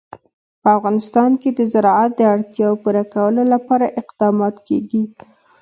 په افغانستان کې د زراعت د اړتیاوو پوره کولو لپاره اقدامات کېږي.